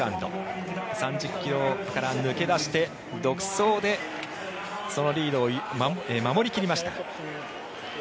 ３０ｋｍから抜け出して、独走でそのリードを守り切りました。